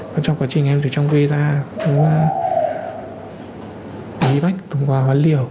còn trong quá trình em từ trong quê ra cũng bị bách cũng có hoán liều